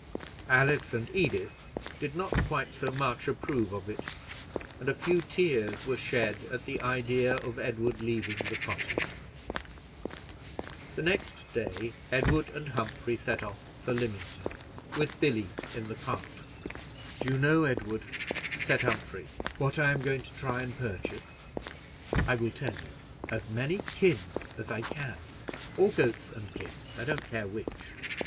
Alice and Edith did not quite so much approve of it, and a few tears were shed at the idea of Edward leaving the cottage. The next day, Edward and Humphrey set off for Lymington, with Billy in the cart. "Do you know, Edward," said Humphrey, "what I am going to try and purchase? I will tell you: as many kids as I can, or goats and kids, I don't care which."